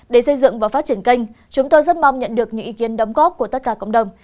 để xây dựng và phát triển kênh chúng tôi rất mong nhận được những ý kiến đóng góp của tất cả cộng đồng